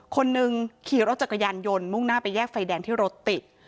คนนึงขี่รถจักรยานยนต์มุ่งหน้าไปแยกไฟแดงที่รถติด